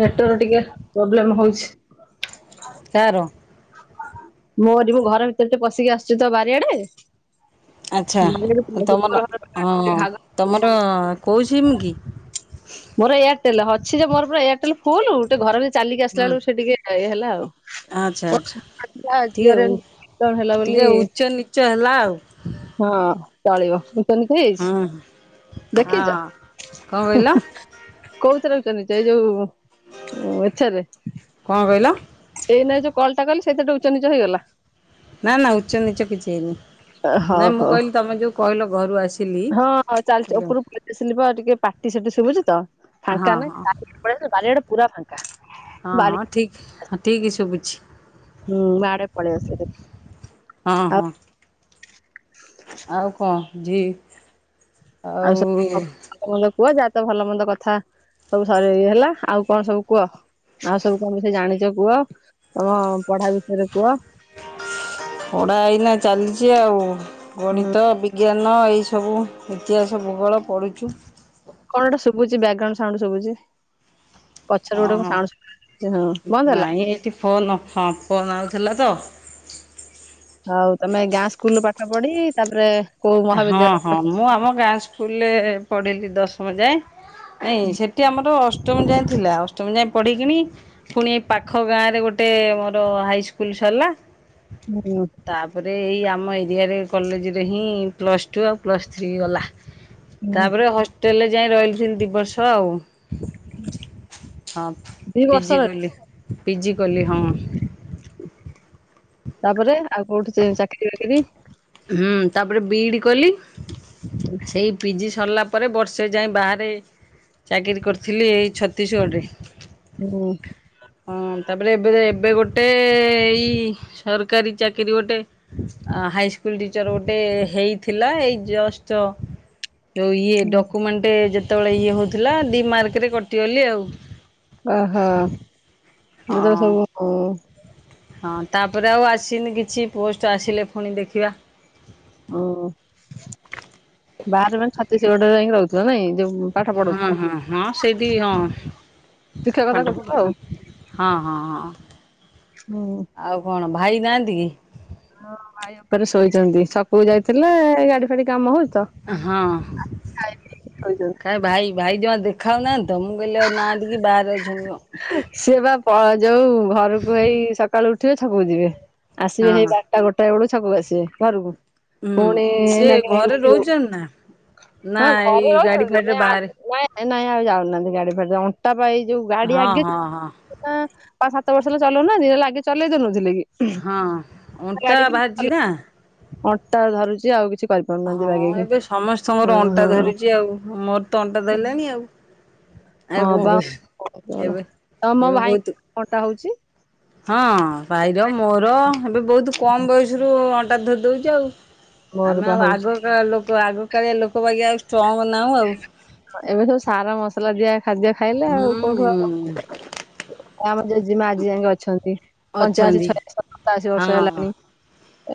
Network ଟିକେ problem ହଉଚି। କାର? ମୋରି ମୁଁ ଘର ଭିତରେ ଟେ ପଶିକି ଆସିୁଛି ତ ବାରିଆଡେ। [inaudible] ଆଚ୍ଛା ତମର ହଁ ତମର କଉ ସିମ୍ କି? ମୋର ଏୟାରଟେଲ ଅଛି ଯେ ମୋର ପୁରା ଏୟାରଟେଲ ଫୁଲ ଟିକେ ଘରେ ଚାଲିକି ହୁଁ। ଆସିଲାଳୁ ସେ ଟିକେ ଏଇ ହେଲା ଆଉ। ଆଚ୍ଛା ଆଚ୍ଛା ଝିଅର ଟିକେ ଉ ଏମିତି ହେଲା ବୋଲି ଟିକେ ଉଚ୍ଚ ନିଚ ହେଲା ଆଉ। ହଁ ଚଳିବ, [unintelligible] ହୁଁ। ହଁ ଦେଖିଚ? କଣ କହିଲ? କୋଉଥିରେ ଉଚ୍ଚ ନିଚ୍ଚ ଏ ଯୋଉ ଇଚ୍ଛାରେ। କଁ କହିଲ? ଏଇ ନାଇଁ ଯୋଉ କଲଟା କଲି ସେଇଥିରେ ଉଚ୍ଚ ନିଚ ହେଇଗଲ। ନା ନା ଉଚ୍ଚ ନିଚ କିଛି ହେଇନି। ନାଇଁ ହଉ ମୁଁ ହଉ କହିଲି ତମେ ଯୋଉ କହିଲ ଘରୁ ଆସିଲି ହଁ ଚାଲିଛି ହ୍ୟାଲୋ। ଉପରୁ [unintelligible] ବା ଟିକେ ପାଟି ସେଟି ଶୁଭୁଛି ତ। ହଁ ହଁ। [unintelligible] ବାରି ଆଡେ ପୁରା ଫାଙ୍କା। ହଁ ବାରି ହଁ ଠିକ ଠିକ ଶୁଭୁଛି। ହୁଁ ଆଡେ ପଳେଇଆସଲି। ହଁ ହଁ। [inaudible] ଆଉ କଣ ଜି ଆଉ କୁହ ଯାହା ତ ଭଲ ମନ୍ଦ କଥା ସବୁ ସରି ଇଏ ହେଲା ଆଉ କଣ ସବୁ କୁହ। ଆଉ ସବୁ ତମେ ସେ ଜାଣିଛ କୁହ, ତମ ପଢା ବିଷୟରେ କୁହ। ପଡା ଏଇନା ଚାଲିଛି ଆଉ, ହୁଁ ଗଣିତ ବି ଜ୍ଞାନ ଏଇସବୁ ଇତିହାସ, ଭୂଗୋଳ ପଢ଼ଛୁ। କଣ ଗୋଟେ ଶୁବୁଛି ବ୍ୟାଗ୍ରାଉଣ୍ଡ ସାଉଣ୍ଡ ଶୁବୁଛି। ପଛରେ ଗୋଟେ କଣ ଓହୋ ସାଉଣ୍ଡ ଶୁଭୁଚି, ହଁ ବନ୍ଦ ହେଲା। ନାଇଁ ଏଇଠି ଫୋନ ହଁ ଫୋନ ଆଉଥିଲା ତ। ହଉ ତମେ ଗାଁ ସ୍କୁଲୁରୁ ପାଠ ପଢି ତାପରେ କୋଉ ହଁ ମହାବିଦ୍ୟାଳୟ ହଁ ମୁଁ ଆମ ଗାଁ ସ୍କୁଲରେ ପଢ଼ିଲି ଦଶମ ଯାଏ। ନାଇଁ ସେଠି ଆମର ଅଷ୍ଟମ ଯାଏଁ ଥିଲା ଅଷ୍ଟମ ଯାଏଁ ପଢିକିଣି ପୁଣି ଏ ପାଖ ଗାଁରେ ଗୋଟେ ମୋର ହାଇସ୍କୁଲ ସରିଲା। ହୁଁ। ତାପରେ ଏଇ ଆମ ଏରିଆରେ କଲେଜରେ ହିଁ ପ୍ଲସ୍ ଟୁ ଆଉ ପ୍ଲସ୍ ଥ୍ରୀ ଗଲା। ହୁଁ ତାପରେ ହଷ୍ଟେଲରେ ଯାଇ ରହିଲିଥିଲି ଦି ବର୍ଷ ଆଉ। ହଁ ଦି ବର୍ଷ ପିଜି ରହିଲ କଲି, ପିଜି କଲି ହଁ। ତାପରେ ଆଉ କୋଉଠି ଚାକିରି ବାକିରି? ହୁଁ ତାପରେ ବିଇଡି କଲି, ହୁଁ ସେଇ ପିଜି ସରିଲା ପରେ ବର୍ଷେ ଯାଏ ବାହାରେ ଚାକିରି କରିଥିଲି ଏଇ ଛତିଶଗଡ଼ରେ। ହୁଁ। ହଁ ତାପରେ ଏବେ ଏବେ ଗୋଟେ ଏଇ ସରକାରୀ ଚାକିରି ଗୋଟେ ହାଇ ସ୍କୁଲ ଟିଚର ଗୋଟେ ହେଇଥିଲା ଏଇ ଜଷ୍ଟ। ଯୋଉ ଇଏ ହୁଁ। ଡକୁମେଣ୍ଟ ଯେତେବେଳେ ଇଏ ହଉଥିଲା ଦି ମାର୍କ ରେ କଟିଗଲି ଆଉ। ଓହୋ [unintelligible] ହଁ ସବୁ ହଁ ତାପରେ ଆଉ ଆସିନି କିଛି ପୋଷ୍ଟ ଆସିଲେ ପୁଣି ଦେଖିବା। ଓ ବାହାରେ ମାନେ ଛତିଶଗଡ଼ରେ ଯାଇ ରହୁଥିବ ନାଇଁ ଯୋଉ ପାଠ ପଢୁ ହଁ ହଁ ହଁ ସେଇଠି ଶିକ୍ଷକତା ହଁ। କରୁଛୁ ଆଉ ହଁ ହଁ ହଁ। ହୁଁ ଆଉ କଣ ଭାଇ ନାହାନ୍ତି କି? ହଁ ଭାଇ ଉପରେ ଶୋଇଛନ୍ତି, ଛକକୁ ଯାଇଥିଲେ ଗାଡି ଫାଡି କାମ ହଉଚି ତ। ହଁ ଖାଇକି ଶୋଇଛନ୍ତି। କାଏ ଭାଇ ଭାଇ ଜମା ଦେଖାହଉନାହାନ୍ତି ତ ମୁଁ କଇଲି ଆଉ ନାହାନ୍ତି କି ବାହାରେ ଅଛନ୍ତି କଣ। ସିଏ ବା ପ ଯଉ ଘରକୁ ହେଇ ସକାଳୁ ଉଠିବେ ଛକକୁ ଯିବେ ଆସିବେ ହେଇ ହଁ ବା ଟା ଗୋଟାଏ ବେଳୁକୁ ଛକକୁୁ ଆସିବେ ଘରକୁ ହୁଁ ପୁଣି ସିଏ ଏଇନା କେ ଘରେ ଉଠି ରହୁଛନ୍ତି ନା? ନା ହଁ ଘରେ ଏଇ ଗାଡି ରହୁଛନ୍ତି ଫାଡିରେ ନାଇଁ ଆଉ ବାହାରେ ନାଁ ଏ ନାଇଁ ଆଉ ଯାଉନାହାନ୍ତି ଗାଡି ଫାଡି ଅଣ୍ଟା ପା ଏ ଯୋଉ ଗାଡି ହଁ ଆଗ ହଁ ହଁ ପାଆ ସାତ ବର୍ଷ ହେଲା ଚଲଉ ନାହାନ୍ତି ହେଲେ ଆଗେ ଚଲେଇ ଦୋଉନଥିଲେ କି। ହଁ ଅଣ୍ଟା ଗାଡି ବି ବାହାରିଛି ନା। ଅଣ୍ଟା ଧରୁଛି ଆଉ କିଛି କରିପାରୁନାହାନ୍ତି ହଁ ବାଗେଇକି ଏବେ ହଁ ସମସ୍ତଙ୍କର ଅଣ୍ଟା ହଁ ଧରୁଛି ଆଉ ମୋର ତ ଅଣ୍ଟା ଧଇଲାଣି ଆଉ। [inaudible] ହଁ ବା କହିବି ଏବେ [unintelligible] ଏବେ ଭାଇ ବହୁତ [unintelligible] ହଁ ଭାଇର ମୋର ଏବେ ବହୁତ କମ୍ ବୟସରୁୁ ଅଣ୍ଟା ଧରି ଦଉଛି ଆଉ। ମୋର ଆମେ ବା ଆଉ ହଉଛି ଆଗକା ଲୋକ ଆଗ କାଳିଆ ଲୋକ ବାଗିଆ ଆଉ ଷ୍ଟ୍ରଙ୍ଗ ନାହୁଁ ଆଉ। ଏବେ ସବୁ ସାର ମସଲା ଦିଆ ଖାଦ୍ୟ ଖାଇଲେ ଆଉ କୋଉଠୁ ହୁଁ ଆଉ ଆମର ଜେଜେ ମା ଆଜି ଯାକେ ଅଛନ୍ତି ପଞ୍ଚାଅଶୀ, ଅଛନ୍ତି ଛୟାଅଶୀ, ସତାଅଶୀ ବର୍ଷ ହଁ। ହେଲାଣି।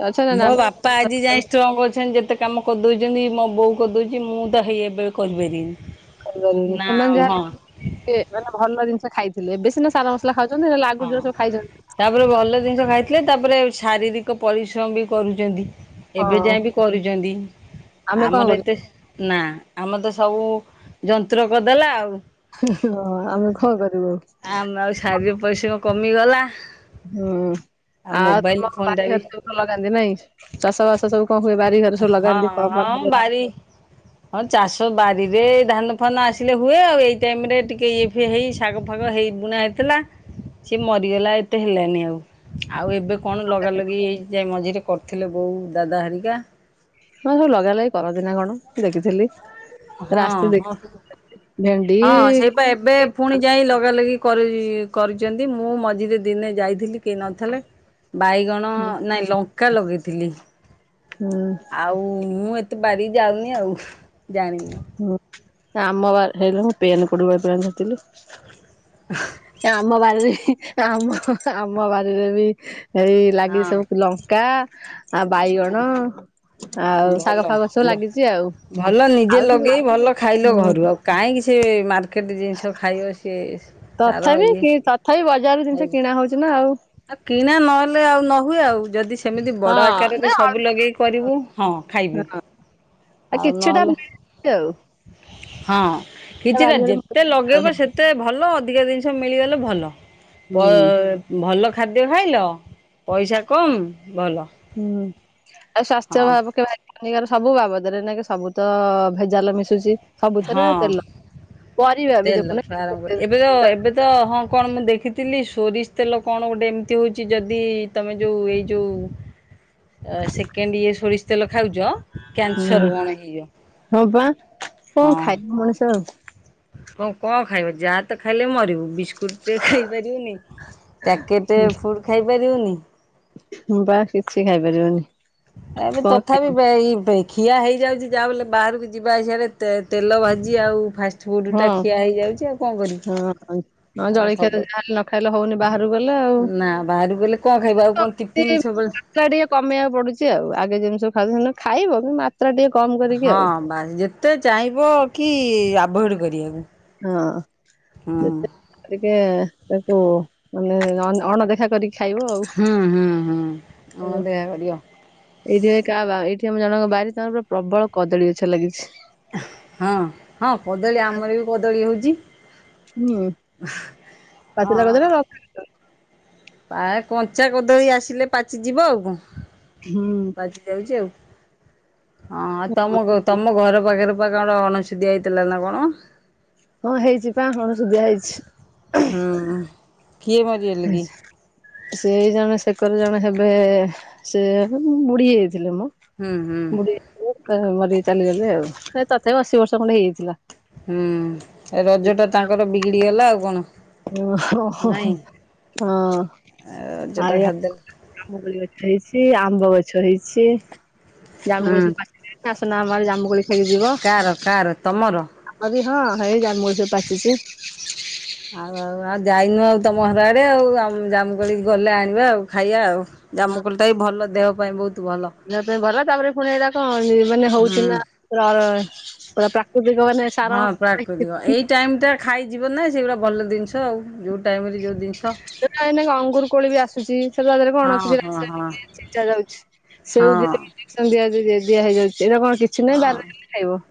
ଅଛନ୍ତି ନା ମୋ ବାପା ଆଜି ଯାଏ ଷ୍ଟ୍ରଙ୍ଗ୍ ଅଛନ୍ତି ଯେତେ କାମ କରିଦଉଛନ୍ତି ମୋ ବୋଉ କରିଦଉଛି ମୁଁ ତ ହେଇ ଏବେ କରିପାରିବିନି। ନା ସେମାନେ ଯାଆ ହଁ ହେଲେ ଟିକେ ସେମାନେ ଭଲ ଜିନିଷ ଖାଇଥିଲେ, ଏବେ ସିନା ସାର ମସଲା ଖାଉଛନ୍ତି ହେଲେ ଆଗରୁ ହଁ। ଜୋଓ ସବୁ ଖାଇଛନ୍ତି ତାପରେ ଭଲ ଜିନିଷ ଖାଇଥିଲେ ତାପରେ ଶାରୀରିକ ପରିଶ୍ରମ ବି କରୁଛନ୍ତି। ଏବେ ହଁ ଯାଏ ବି କରୁଚନ୍ତି, ଆମେ କଣ ଆମର କରିବୁ ଏତେ ନା ଆମ ତ ସବୁ ଯନ୍ତ୍ର କରିଦେଲା ଆଉ। ହଁ ଆମେ କଣ କରିବୁ ଆଉ। ଆମ ଆଉ ଶାରୀରିକ ପରିଶ୍ରମ କମିଗଲା। ହଁ ଆଉ ମୋବାଇଲ ତମ ଫୋନ୍ ଟା ବି ବାରିଘରେ ସବୁ କଣ ଲଗାନ୍ତି ନାଇଁ ଚାଷ ବାସ ସବୁ କଣ ହୁଏ ବା ରି ଘରେ ସବୁ ଲଗାନ୍ତି ହଁ [unintelligible] ବାରି ହଁ ଚାଷ ବାରିରେ ଧାନ ଫାନ ଆସିଲେ ହୁଏ ଆଉ ଏଇ ଟାଇମରେ ଟିକେ ଇଏ ଫିଏ ହେଇ ଶାଗ ଫାଗ ହେଇ ବୁଣା ହେଇଥିଲା ସିଏ ମରିଗଲା ଏତେ ହେଲାନି ଆଉ ଆଉ ଏବେ କଣ ଲଗାଲଗି ହେଇ ଯାଇ ମଝିରେ କରୁଥିଲେ ବୋଉ ଦାଦା ହେରିକା। ମ ସବୁ ଲଗିଆ ଲଗି କରନ୍ତି ନା କଣ ଦେଖିଥେଲି। ହଁ ହଁ ଭେଣ୍ଡି ହଁ ସେଇ ବା ଏବେ ଫୁଣି ଯାଇ ଲଗା ଲଗି କରି କରିଚନ୍ତି ମୁଁ ମଝିରେ ଦିନେ ଯାଇଥିଲି କେହି ନ ଥେଲେ ବାଇଗଣ ନାଇଁ ଲଙ୍କା ଲଗେଇଥିଲି। ହୁଁ ଆଉ ମୁଁ ଏତେ ବାରିକି ଯାଉନି ଆଉ ଜାଣିନି। ହୁଁ ଆମ ବା ହେଇଲୋ ପେନ୍ କୋଉଠି ପେନ୍ ଧରିଥିଲୁ? [unintelligible] ଏ ଆମ ବାରିରେ ଆମ ଆମ ବାରିରେ ବି ଏଇ ଲାଗିଚି ହଁ। ସବୁ ଫୁଲ। କା ଆଉ ବାଇଗଣ ଆଉ ଶାଗ ଭଲ ଫାଗ ସବୁ ଭ ଲାଗିଛି ଆଉ। ଭଲ ନିଜେ ଆଉ କି ଲଗେଇ ଭଲ ଖାଇଲ ହୁଁ ଘରୁ ଆଉ। କାଇଁକି ସେ ମାର୍କେଟ ଜିନିଷ ଖାଇବ ସେ ତଥାପି କି ତଥାପି ବଜାରରୁ ଜିନିଷ କିଣା ହଉଚି ନା ଆଉ। ଆ କିଣା ନହେଲେ ଆଉ ନ ହୁଏ ଆଉ ଯଦି ସେମିତି ବଡ ହଁ ଆକାରେରେ ଯଦି ନା ସବୁ ଲଗେଇ କରିବୁ ହଁ ଖାଇବୁ ଅଳ୍ପ ଆଉ କିଛିଟା ନହେଲେ ମିଳୁଛି ଆଉ। ହଁ କିଛିଟା ବାରିଘରେ ହୁଁ ଯେତେ ଲଗେଇବ ସେ ତେ ଭଲ ଅଧିକା ଜିନିଷ ମିଳିଗଲେ ଭଲ ପ ଭଲ ଖାଦ୍ୟ ଖାଇଲ ପଇସା କମ୍ ଭଲ। ହୁଁ ଆଉ ସ୍ୱାସ୍ଥ୍ୟ ହଁ ଭାବୁ କେବେ ଏଇଗାର ସବୁ ବାବଦରେ ନାଇଁ କି ସବୁ ତ ଭେଜାଲ ମିଶୁଚି ସବୁଥେରେ ହଁ। ତେଲ ପରିବା ବି ଦେଖୁନ ତେଲଠୁ ଆରମ୍ଭ କରି ଏବେ ତ ଏବେ ତ ହଁ କଣ ମୁଁ ଦେଖିଥିଲି ସୋରିଷ ତେଲ କଣ ଗୋଟେ ଏମତି ହଉଚି ଯଦି ତମେ ଯୋଉ ଏଇ ଯୋଉ ସେକେଣ୍ଡ ଇଏ ସୋରିଷ ତେଲ ଖାଉଚ ହୁଁ ହଁ ବା କଣ ହଁ ଖାଇବ ମଣିଷ ଆଉ? କଣ କଣ ଖାଇବ ଯାହା ତ ଖାଇଲେ ମରିବୁ ବିସ୍ କୁଟେ ଖାଇପାରିବୁନି ପ୍ୟାକେଟେ ଫୁଡ୍ ଖାଇପାରିବୁନି। ହୁଁ ବା କିଛି ଖାଇପାରିବନି। ଏବେ କଣ ତଥାପି ବେ ଇ ବେଇ ଖିଆ ହେଇଯାଉଚି ଯାହା ବି ହେଲେ ବାହାରୁକୁ ଯିବା ଆସିଆରେ ତେ ତେଲ ଭାଜି ଆଉ ଫାଷ୍ଟ ହଁ ହଁଁ ଆଉ ଜଳଖିଆ ତ ସବୁ ଯାହା ହେଲେ ନ ଖାଇଲେ ହଉନି ବାହାରୁକୁ ଗଲେ ଆଉ। ନା ବାହାରୁକୁ ଗଲେ କଣ ଖାଇବ ଆଉ କଣ ଟିଫନ୍ ସବୁବେଳେ ତ୍ରା ଟିକେ କମେଇଆକୁ ପଡୁଚି ଆଉ ଆଗେ ଯେମତି ସବୁ ଖାଉ ଖାଇବ କି ମାତ୍ରା ଟିକେ କମ୍ କରିକି ଆଉ। ବାଲି ଯା ତେ ଚାହିଁବ କି ଆଭଏଡ କରିବାକୁ। ହଁ ହୁଁ ଯେତେ ଟିକେ ତାକୁ ମାନେ ଅନ ଅଣଦେଖା କରିକି ଖାଇବ ହୁଁ ହୁଁ ହୁଁ ଆଉ। ଅଣଦେଖା କରିବ। ଏଇଠି କାହା ବା ଏଇଠି ଆମ ଜଣଙ୍କ ବାରି ତାଙ୍କର ପୁରା ପ୍ରବଳ କଦଳୀ ଗଛ ଲାଗିଛି। ହଁ ହଁ କଦଳୀ ଆମର ବି କଦଳୀ ହଉଚି। ହୁଁ। ପାଚିଲା ହଁ କଦଳୀ [unintelligible] ପା କଞ୍ଚା କଦଳୀ ଆସିଲେ ପାଚି ଯିବ ଆଉ କଣ? ହୁଁ। ପାଚି ଯାଉଛି ଆଉ ହଁ ଆଉ ତମ କୁ ତୁମ ଘର ପାଖରେ ପା କଣ ଅଣଛୁଦିଆ ହେଇଥିଲା ନା କଣ? ହଁ ହେଇଛି ବା ଅଣ ସୁଦିଆ ହେଇଛି। ହୁଁ କିଏ ମ୍ [unintelligible] ସେଇ ଜଣେ ଶେକରେ ଜଣେ ହେବେ ସେ ବୁଢୀ ହେଇଯାଇଥିଲେ ମ। ହୁଁ ହୁଁ ବୁଢି ମରିକି ଚାଲିଗଲେ ଆଉ ସେ ତଥାପି ଅଶି ବର୍ଷ ଖଣ୍ଡେ ହେଇଯାଇଥିଲା। ହୁଁ ଏ ରଜ ଟା ତାଙ୍କର ବିଗିଡି ଗଲା ଆଉ କଣ। ଓ ହଁ ନାଇଁ ଆ। ରଜଟା ସାରିଦେଲେ ଜାମୁକୋଳି ଗଛ ହେଇଛି ଆମ୍ବ ଗଛ ହେଇଛି ହୁଁ। ଜାମୁକୋଳି ପଚିଲାନି। ଆସୁନ ଆମ ଆଡେ ଜାମୁକୋଳି କାହାର କାହାର ତମର? ଆମ ବି ହଁ ହେଇ ଜାମୁ ଗଛ ପାଚିଛି। ଆଉ ଆଉ ଆଉ ଯାଇନୁ ଆଉ ତମ ଘର ଆଡେ ଆଉ ଜାମୁକୋଳି ଗଲେ ଆଣିବା ଆଉ ଖାଇବା ଆଉ। ଜାମୁକୋଳିଟା ବି ଭଲ ଦେହ ପାଇଁ ବହୁତ ଭଲ। ଦେହ ପାଇଁ ଭଲ ତାପରେ ପୁଣି ଏଗୁଡା କଣ ମାନେ ହୁଁ। ହଉଛିନା ପୁରା ପ୍ରାକୃତିକ ମାନେ ହଁ ସାର ପ୍ରାକୃତିକ ଏଇ ଟାଇମ ଟା ଖାଇଯିବ ନା ସେଗୁଡା ଭଲ ଜିନିଷ ଆଉ ଯୋଉ ଟାଇମ ରେ ଯୋଉ ଜିନିଷ ସେ ଏଇନେ ଅଙ୍ଗୁର କୋଳି ବି ଆସୁଛି ସେଥିରେ ତାଦେହରେ ହଁ କଣ ଅଛି ହଁ ରାସ୍ତା ହଁ ଛେଚା ଯାଉଛି। ହଁ। ସେଓ ଦିହରେ ଇଞ୍ଜେକ୍ସନ ଦିଆ ଦିଆହେଇଯାଉଛି ଏଗୁଡା କଣ କିଛି ନାହିଁ ବାରିରେ ହେଲେ ଖାଇବ।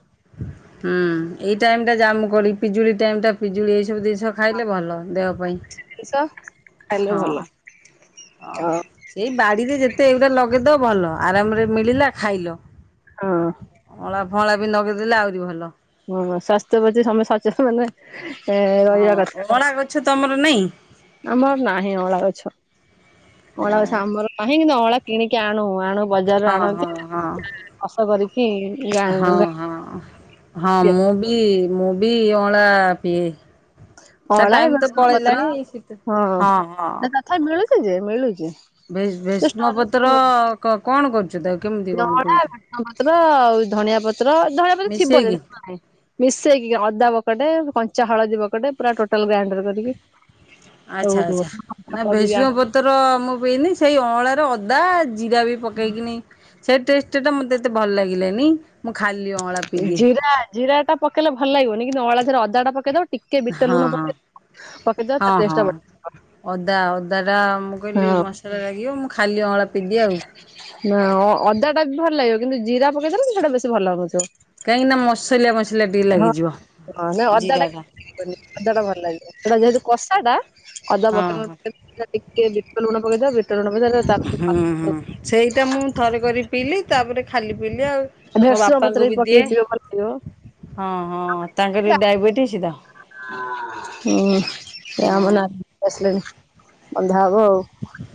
ହୁଁ ଏଇ ଟାଇମ ଟା ଜାମୁକୋଳି, ପିଜୁଳି ଟାଇମ ଟା ପିଜୁଳି ଏଇ ସବୁ ଜିନିଷ ଖାଇଲେ ଭଲ ଦେହ ପାଇଁ ଜିନିଷ ଖାଇଲେ ହଁ। ଭଲ ହ ଆଉ ସେଇ ବାଡିରେ ଯେତେ ଏଗୁଡା ଲଗେଇଦବ ଭଲ ଆରାମରେ ମିଳିଲା ଖାଇଲ। ହଁ। ଅଁଳା ଫଁଳା ବି ଲଗେଇଦେଲେ ଆହୁରି ଭଲ। ହଁ ସ୍ୱାସ୍ଥ୍ୟ ପ୍ରତି ସମସ୍ତେ ସଚେତନ ରହିବା ହଁ କଥା। ଅଁଳା ଗଛ ତମର ନାଇଁ? ଆମର ନାହିଁ ଅଁଳା ଗଛ ଅଁଳା ଗଛ ଆମର ନାହିଁ କିନ୍ତୁ ଅଁଳା କିଣିକି ଆଣୁ ଆଣୁ। ହଁ ହଁ ହଁ। କସ କରିକି ଗାଁ ହଁ ହଁ ହଁ ମୁଁ ବି ମୁଁ ବି ଅଁଳା ପିଏ। ତା ଅଁଳା ଏ ଟାଇମ ତ ଭେସୁଙ୍ଗା ପତ୍ର ପଳେଇଲାଣି ସିତ ହଁ ହଁ। ନା ତଥାପି ମିଳୁଛି ଯେ ମିଳୁଛି। ଭୀ ଭୀଷ୍ମ ଷ୍ଟୋରରେ ପତ୍ର କଣ କରୁଛୁ ତାକୁ। କେମିତି ଯୋଉ କଣ ଅଁଳା, ପିଉଛୁ? ଭୃଷଙ୍ଗପତ୍ର ଆଉ ଧଣିଆ ପତ୍ର ଧଣିଆ ପତ୍ର ଥିବଯଦି ମିଶେଇକି ନହେଲେ ନାହି। ମିଶେଇକି ଅଦା ବକଟେ କଞ୍ଚା ହଳଦୀ ବକଟେ ପୁରା ଟୋଟାଲ ଗ୍ରାଇଣ୍ଡର କରିକି। ଆଚ୍ଛା ଆଚ୍ଛା ନା ଭେସୁଁଆ ପତ ତୋର ମୁଁ ପିଇନି ସେଇ ଅଁଳାରେ ଅଦା ଜିରା ବି ପକେଇକିନି। ସେଇ ଟେଷ୍ଟ ଟା ମତେ ଏତେ ଭଲ ଲାଗିଲାନି। ମୁଁ ଖାଲି ଅଁ ଜିରା ଜିରା ଟା ପକେଇଲେ ଭଲ ଲାଗିବନି କିନ୍ତୁ ଅଁଳା ସାଙ୍ଗରେ ଅଦା ଟା ପକେଇ ଦବ ଟିକେ ବିଟ ହଁ ଲୁଣ ହଁ ପକେଇଦବ। ହଁ ତା ଟେଷ୍ଟ ହଁ ଟା ବଢିଆ ଅଦା ଅଦା ଟା ମୁଁ କହିଲି ମସଲା ଲାଗିବ ମୁଁ। ଖାଲି ଅଁଳା ପିଇଦିଏ ଆଉ। ନା ଅ--ଅଦା ଟା ବି ଭଲ ଲାଗିବ କିନ୍ତୁ ଜିରା ପକେଇଦେଲେ ସେଟା ବେଶୀ ଭଲ ଲାଗୁଥିବ। କାହିଁକିନା ମସଲିଆ ମସଲିଆ ଟିକେ ଲାଗିଯିବ ହଁ ନାଇଁ ଅଦା ଜିରା ଟା। ଅଦା ଟା ଭଲ ଲାଗିବ ସେଟା ଯେହେତୁ କଷା ଟା ଅଦା ହଁ ହଁ। ପକେଇଲେ। [inaudible] ଟିକିଏ ବିଟ ଲୁଣ ପକେଇଦବ ବିଟଲୁଣ ପକେଇଦେଇ ତା ହଁ ହଁ ସେଇଟା ମୁଁ ଥରେ କରି ପିଇଲି ତାପରେ ଖାଲି ପିଇଲି ଆଉ। ମୋ ଭେରସୁଙ୍ଗା ପତ୍ର ବାପାଙ୍କୁ ବି ଦିଏ ପକେଇଥିବ ଭଲ ଲାଗିବ। ହଁ ହଁ ତାଙ୍କର ଡାଇବେଟିସ ତ। ହୁଁ ସେ ହଁ ଆମ ନାନୀ ଆସିଲେଣି। ବନ୍ଧା ହବ ଆଉ।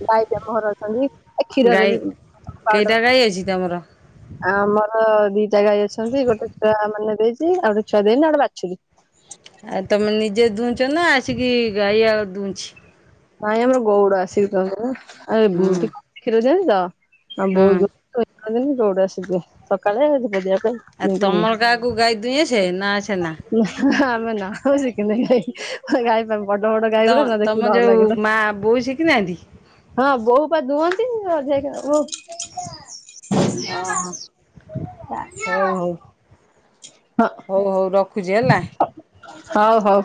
ଗାଈ ତମ ଘରେ ଅଛନ୍ତି। ଏ କ୍ଷୀରରେ ବି ଗାଈ, ପାଉଡର କେଇଟା ଗାଈ ଅଛି ତମର? ଆମର ଦିଟା ଗାଈ ଅଛନ୍ତି। ଗୋଟେ ଛୁଆ ମାନେ ଦେଇଛି। ଆଉ ଗୋଟେ ଛୁଆ ଦେଇନି ଆଉ ଗୋଟେ ବାଛୁରୀ। ଆଉ ତମେ ନିଜେ ଦୁଉଁଛ ନା, ଆସିକି ଗାଈଆଳ ଦୁଁଉଛି। ନାଇଁ ଆମର ଗୌଡ଼ ଆସିକି ଦୁଅନ୍ତିନା। ଆଉ ହୁଁ କ୍ଷୀର ଦିଅନ୍ତି ତ। ଆଉ ହୁଁ [unintelligible] ଆସିଯିବେ। ସକାଳେ [unintelligible] ପାଇଁ। ଆଉ ନେଇକି ତମର କାହାକୁ ଗାଈ ଦୁଇଁ ଆସେ ନା ଆସେନା। ନା ଆମେ ନା ଶୁଖିନାହୁଁ ଗାଈ ଟା ବଡ ବଡ ଗାଈ ତମ ଗୁଡା ନା ଦେଖି ତମ ଡର ଯୋଉ ଲାଗେ। ତ ମା ବୋଉ, ଶିଖିନାହାନ୍ତି? ହଁ ବୋଉ ପା ଦୁହନ୍ତି। ହଁ ହଁ [unintelligible] ହଁ। ହୋଉ ହୋଉ ରଖୁଛି ହେଲା। ହଉ ହଉ।